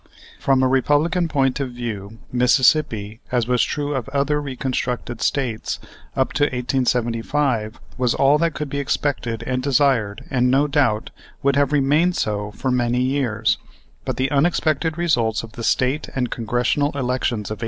From a Republican point of view Mississippi, as was true of the other reconstructed States, up to 1875 was all that could be expected and desired and, no doubt, would have remained so for many years, but for the unexpected results of the State and Congressional elections of 1874.